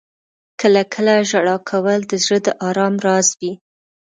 • کله کله ژړا کول د زړه د آرام راز وي.